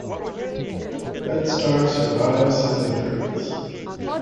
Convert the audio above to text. Red Star survives his injuries.